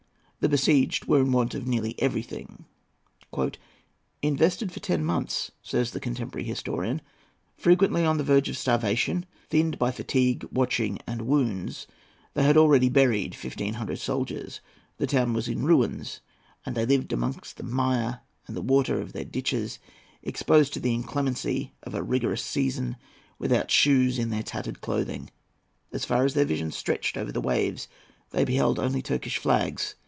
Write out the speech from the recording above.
The besieged were in want of nearly everything. "Invested for ten months," says the contemporary historian, "frequently on the verge of starvation, thinned by fatigue, watching, and wounds, they had already buried fifteen hundred soldiers. The town was in ruins, and they lived amongst the mire and water of their ditches, exposed to the inclemency of a rigorous season, without shoes and in tattered clothing. As far as their vision stretched over the waves they beheld only Turkish flags.